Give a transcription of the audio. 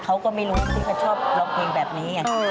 เขาก็ไม่รู้ที่เขาชอบร้องเพลงแบบนี้ไง